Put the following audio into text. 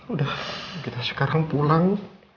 udah kita sekarang pulang